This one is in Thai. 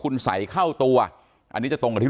การแก้เคล็ดบางอย่างแค่นั้นเอง